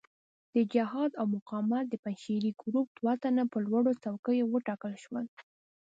د جهاد او مقاومت د پنجشیري ګروپ دوه تنه په لوړو څوکیو وټاکل شول.